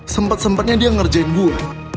sempat sempatnya dia ngerjain gue